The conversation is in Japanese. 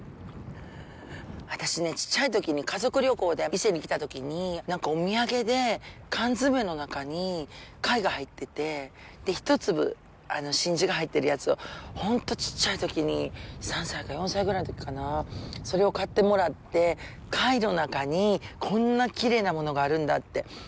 私ね、ちっちゃいときに家族旅行で伊勢に来たときにお土産で、缶詰めの中に貝が入ってて１粒、真珠が入ってるやつを本当ちっちゃいときに３歳か４歳ぐらいのときかな、それを買ってもらって、貝の中にこんなきれいなものがあるんだって。